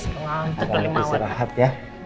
selamat istirahat ya